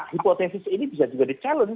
hipotesis ini bisa juga di challenge